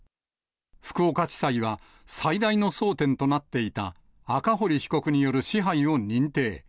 福岡地裁は、最大の争点となっていた赤堀被告による支配を認定。